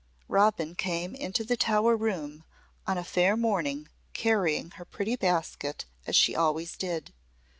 Robin came into the Tower room on a fair morning carrying her pretty basket as she always did.